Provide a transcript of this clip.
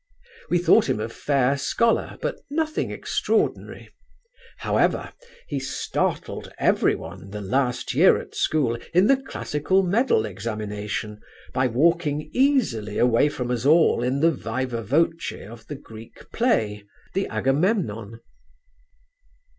"We thought him a fair scholar but nothing extraordinary. However, he startled everyone the last year at school in the classical medal examination, by walking easily away from us all in the viva voce of the Greek play ('The Agamemnon')."